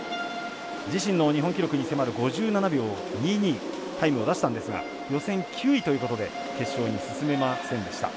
自身の日本記録に迫る５７秒２２のタイムを出したんですが予選９位ということで決勝に進めませんでした。